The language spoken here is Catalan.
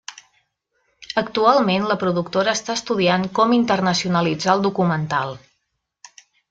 Actualment la productora està estudiant com internacionalitzar el documental.